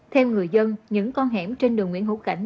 theo người dân những con hẻm trên đường nguyễn hữu cảnh